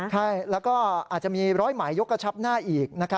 ใช่แล้วก็อาจจะมีร้อยหมายยกกระชับหน้าอีก